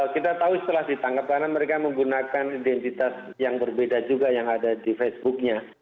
kita tahu setelah ditangkap karena mereka menggunakan identitas yang berbeda juga yang ada di facebooknya